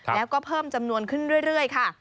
แล้วก็เพิ่มจำนวนขึ้นเรื่อยค่ะ